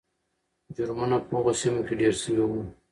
جرمونه په هغو سیمو کې ډېر سوي وو.